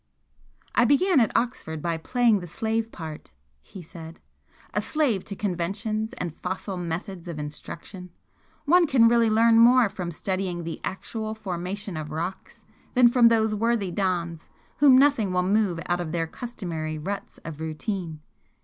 "I began at Oxford by playing the slave part," he said "a slave to conventions and fossil methods of instruction. One can really learn more from studying the actual formation of rocks than from those worthy Dons whom nothing will move out of their customary ruts of routine.